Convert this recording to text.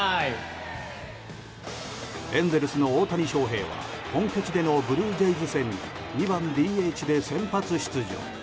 エンゼルスの大谷翔平は本拠地でのブルージェイズ戦に２番ＤＨで先発出場。